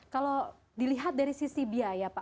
kalau dilihat dari sisi biaya pak